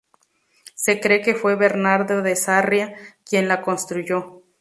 Se cree que fue Bernardo de Sarriá quien la construyó.